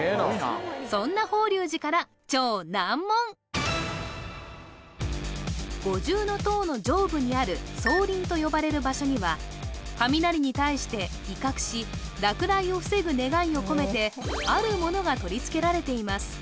そんな法隆寺から五重塔の上部にある相輪と呼ばれる場所には雷に対して威嚇し落雷を防ぐ願いを込めてあるものが取り付けられています